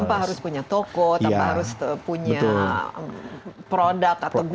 tanpa harus punya toko tanpa harus punya produk atau